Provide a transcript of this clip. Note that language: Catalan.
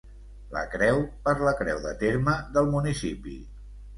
La creu per la creu de terme del municipi.